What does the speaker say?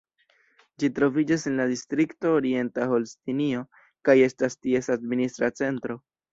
Ĝi troviĝas en la distrikto Orienta Holstinio, kaj estas ties administra centro.